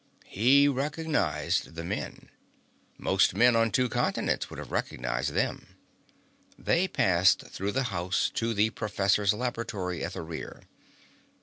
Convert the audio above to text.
He recognized the men. Most people on two continents would have recognized them. They passed through the house to the professor's laboratory at the rear.